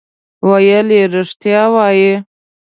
ویل یې رښتیا وایې.